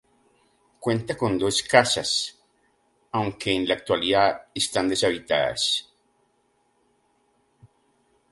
Cuenta con dos casas, aunque en la actualidad están deshabitadas.